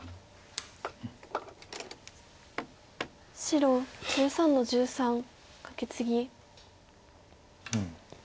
白１３の十三カケツギ。